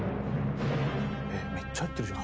えっめっちゃ入ってるじゃん。